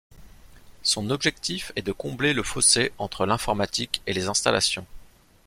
Son objectif est de combler le fossé entre l'informatique et les installations.